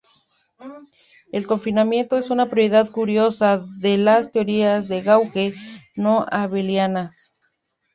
El confinamiento es una propiedad curiosa de las teorías de gauge no-abelianas.